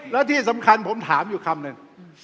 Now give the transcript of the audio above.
แล้วที่สำคัญผมถามอยู่คำหนึ่ง